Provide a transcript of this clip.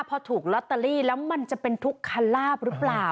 พอถูกลอตเตอรี่แล้วมันจะเป็นทุกขลาบหรือเปล่า